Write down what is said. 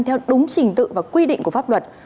theo đúng trình tự và quy định của pháp luật